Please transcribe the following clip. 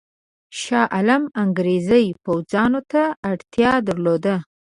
شاه عالم انګرېزي پوځیانو ته اړتیا درلوده.